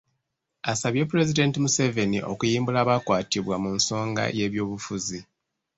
Asabye Pulezidenti Museveni okuyimbula abaakwatibwa mu nsonga y'ebyobufuzi